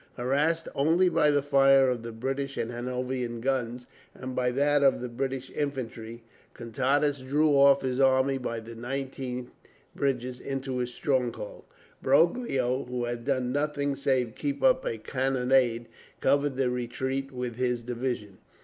Harassed only by the fire of the British and Hanoverian guns, and by that of the British infantry, Contades drew off his army by the nineteen bridges into his stronghold. Broglio, who had done nothing save keep up a cannonade, covered the retreat with his division.